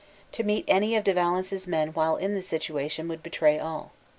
To meet any of De Valence's men while in this situation would betray ll.